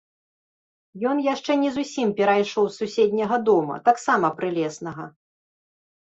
Ён яшчэ не зусім перайшоў з суседняга дома, таксама прылеснага.